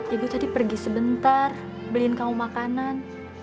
ibu tadi pergi sebentar beliin kamu makanan